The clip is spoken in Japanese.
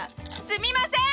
すみません！